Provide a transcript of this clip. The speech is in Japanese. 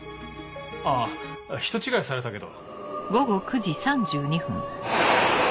あ人違いされたけど。